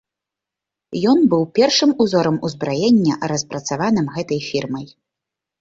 Ён быў першым узорам узбраення, распрацаваным гэтай фірмай.